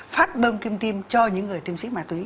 phát bơm kim tim cho những người tiêm sĩ ma túy